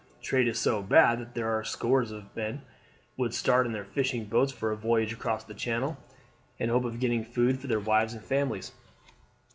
Trade is so bad that there are scores of men would start in their fishing boats for a voyage across the Channel in the hope of getting food for their wives and families."